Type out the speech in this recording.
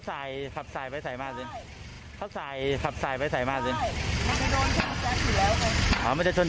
แต่การยิงมามันเองก็คงไม่เห็น